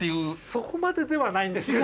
そこまでではないんです。